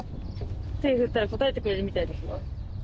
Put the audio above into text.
手振ったら応えてくれるみたいですよ。